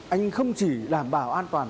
anh không chỉ đảm bảo an toàn